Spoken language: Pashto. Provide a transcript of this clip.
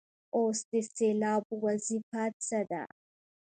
اوس د سېلاب وظیفه څه ده.